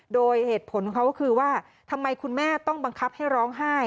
โดยเหตุผลของเขาก็คือว่าทำไมคุณแม่ต้องบังคับให้ร้องไห้